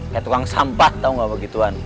kayak tukang sampah tau gak begituan